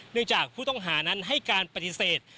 จากผู้ต้องหานั้นให้การปฏิเสธ